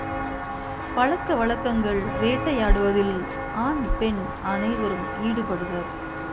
பழக்கவழக்கங்கள் வேட்டையாடுவதில் ஆண் பெண் அனைவரும் ஈடுபடுவர்.